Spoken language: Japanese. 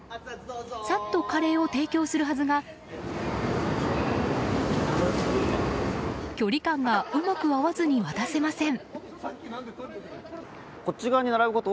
サッとカレーを提供するはずが距離感がうまく合わずに渡せません。